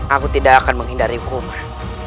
aku tidak akan menghindari hukuman